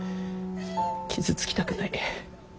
傷つきたくない。